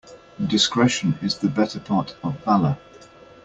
Discretion is the better part of valour.